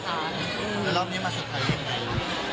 แล้วรอบนี้มาสุดท้ายยังไง